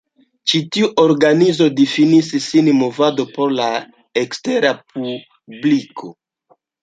Ĉi tiu organizo difinis sin movado por la ekstera publiko.